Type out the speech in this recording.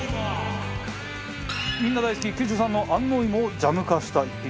みんな大好き九州産の安納芋をジャム化した一品。